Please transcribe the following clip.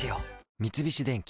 三菱電機